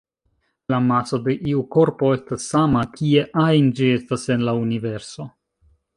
La maso de iu korpo estas sama kie ajn ĝi estas en la universo.